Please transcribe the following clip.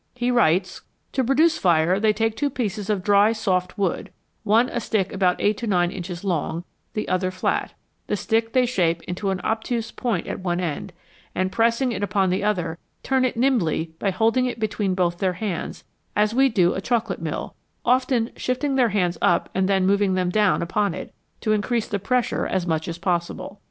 He writes :" To produce fire they take two pieces of diy, soft wood, one a stick about 8 to 9 inches long, the other flat ; the stick they shape into an obtuse point at one end, and pressing it upon the other, turn it nimbly by holding it between both their hands, as we do a chocolate mill, often shift ing their hands up and then moving them down upon it, to increase the pressure as much as possible.